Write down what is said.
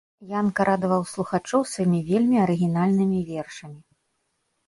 Янка радаваў слухачоў сваімі вельмі арыгінальнымі вершамі.